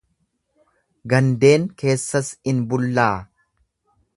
Gandeen keessas in bullaa.